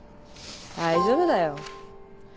大丈夫だよ。